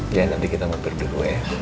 iya nanti kita mampir dulu ya